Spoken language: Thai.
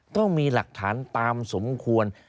ต้องมีหลักฐานตามสมควร